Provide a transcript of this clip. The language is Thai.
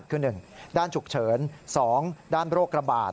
คือ๑ด้านฉุกเฉิน๒ด้านโรคระบาด